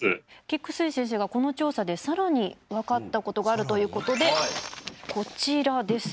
菊水先生がこの調査でさらに分かったことがあるということでこちらです。